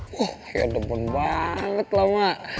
wah ya demen banget lah ma